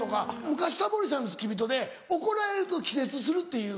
昔タモリさんの付き人で怒られると気絶するっていう。